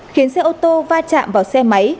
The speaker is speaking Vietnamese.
khiến xe ô tô va chạm vào xe máy